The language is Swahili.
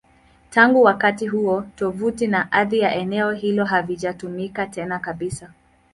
Tangu wakati huo, tovuti na ardhi ya eneo hilo havijatumika tena kabisa.